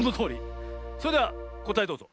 それではこたえどうぞ。